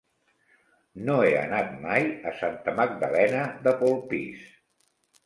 No he anat mai a Santa Magdalena de Polpís.